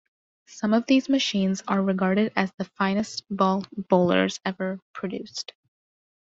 Some of these machines are regarded as the finest ball bowlers ever produced.